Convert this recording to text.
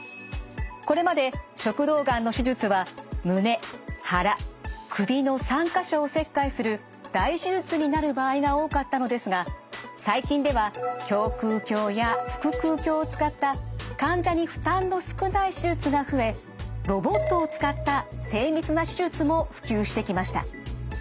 これまで食道がんの手術は胸腹首の３か所を切開する大手術になる場合が多かったのですが最近では胸腔鏡や腹腔鏡を使った患者に負担の少ない手術が増えロボットを使った精密な手術も普及してきました。